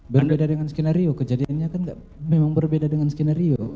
berbeda dengan skenario kejadiannya kan memang berbeda dengan skenario